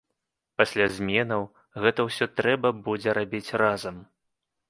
Пасля зменаў гэта ўсё трэба будзе рабіць разам.